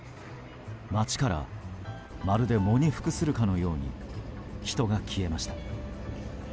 街からまるで喪に服するかのように人が消えました。